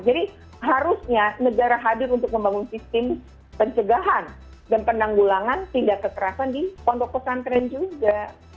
jadi harusnya negara hadir untuk membangun sistem pencegahan dan penanggulangan tindak kekerasan di kondoko santren juga